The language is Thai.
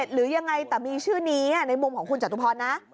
หรือยังไงแต่มีชื่อนี้ในมุมของคุณจตุพรนะ